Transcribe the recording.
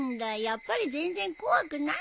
やっぱり全然怖くないよ。